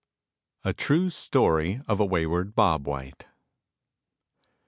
] A TRUE STORY OF A WAYWARD BOB WHITE.